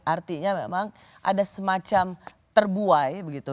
artinya memang ada semacam terbuai begitu